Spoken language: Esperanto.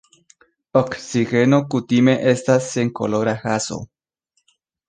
Oksigeno kutime estas senkolora gaso.